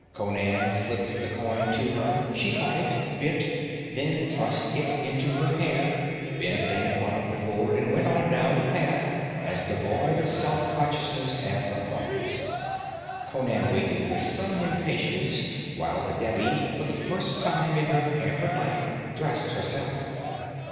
Conan flipped the coin to her, she caught it, bit, then thrust it into her hair, bent and caught up the gourd and went on down the path, as devoid of self consciousness as of garments. Conan waited with some impatience while the Devi, for the first time in her pampered life, dressed herself.